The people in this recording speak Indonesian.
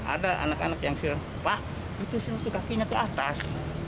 ada anak anak yang bilang pak itu kakinya ke atas